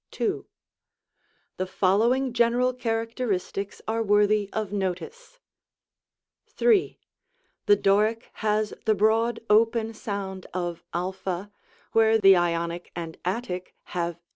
2. The following general characteristics are worthy of notice : 3. The Doric has the broad open sound of a, where the Ionic and Attic have r).